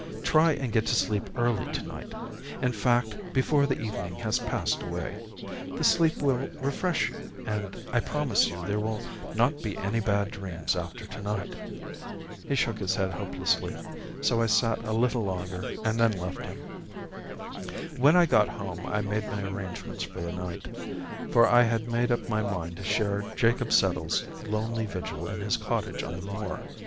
"Try and get to sleep early tonight—in fact, before the evening has passed away. The sleep will refresh you, and I promise you there will not be any bad dreams after tonight." He shook his head hopelessly, so I sat a little longer and then left him. When I got home I made my arrangements for the night, for I had made up my mind to share Jacob Settle's lonely vigil in his cottage on the moor.